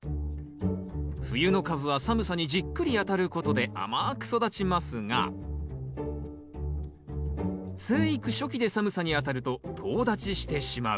冬のカブは寒さにじっくりあたることで甘く育ちますが生育初期で寒さにあたるととう立ちしてしまう。